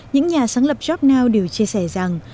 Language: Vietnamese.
những nhà sáng lập jobnow đều chia sẻ rằng